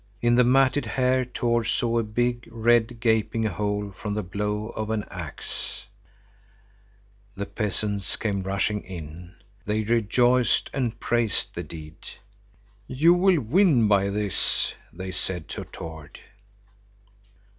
In the matted hair Tord saw a big, red, gaping hole from the blow of an axe. The peasants came rushing in. They rejoiced and praised the deed. "You will win by this," they said to Tord.